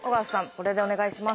これでお願いします。